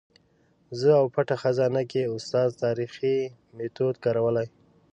زه او پټه خزانه کې استاد تاریخي میتود کارولی.